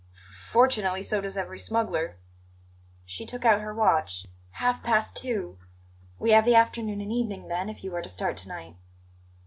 "F fortunately, so does every smuggler." She took out her watch. "Half past two. We have the afternoon and evening, then, if you are to start to night."